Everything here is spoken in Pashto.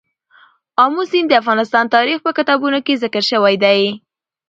آمو سیند د افغان تاریخ په کتابونو کې ذکر شوی دی.